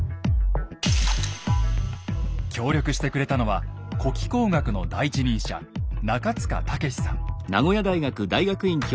協力してくれたのは古気候学の第一人者中塚武さん。